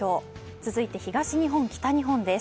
続いて東日本、北日本です。